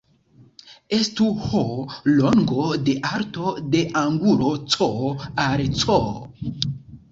Estu "h" longo de alto de angulo "C" al "c".